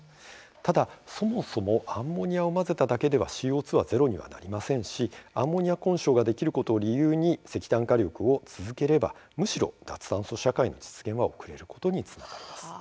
ただ、そもそもアンモニアを混ぜただけではＣＯ２はゼロにはできませんしアンモニア混焼ができることを理由に石炭火力を使い続ければむしろ脱炭素社会の実現が遅れることにつながります。